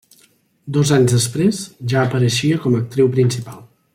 Dos anys després ja apareixia com a actriu principal.